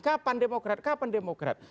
kapan demokrat kapan demokrat